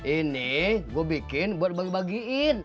ini gue bikin buat bagi bagiin